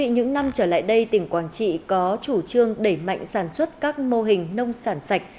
những năm trở lại đây tỉnh quảng trị có chủ trương đẩy mạnh sản xuất các mô hình nông sản sạch